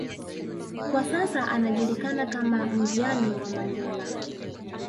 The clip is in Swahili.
kwa sasa anajulikana kama mjane wa Mandela